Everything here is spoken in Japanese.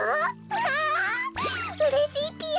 わあうれしいぴよ！